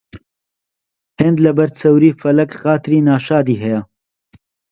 هێند لەبەر جەوری فەلەک خاتری ناشادی هەیە